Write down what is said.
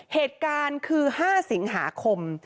เหตุการณ์คือ๕สิงหาคม